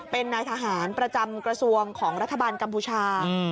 เป็นนายทหารประจำกระทรวงของรัฐบาลกัมพูชา